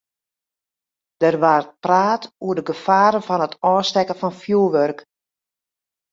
Der waard praat oer de gefaren fan it ôfstekken fan fjoerwurk.